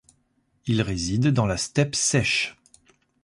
Il réside dans la steppe sèche.